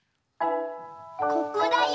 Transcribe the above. ここだよ。